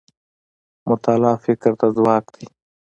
مطالعه فکر ته خوراک دی